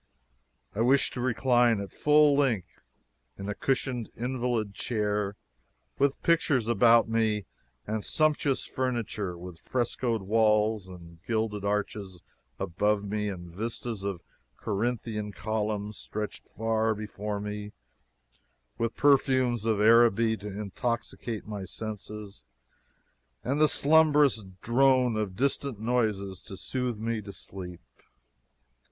I wished to recline at full length in a cushioned invalid chair, with pictures about me and sumptuous furniture; with frescoed walls and gilded arches above me and vistas of Corinthian columns stretching far before me; with perfumes of Araby to intoxicate my senses and the slumbrous drone of distant noises to soothe me to sleep.